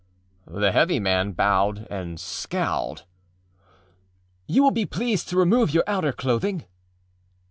â The heavy man bowed and scowled. âYou will be pleased to remove your outer clothing.